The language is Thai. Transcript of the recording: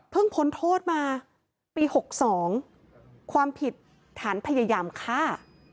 พ้นโทษมาปี๖๒ความผิดฐานพยายามฆ่า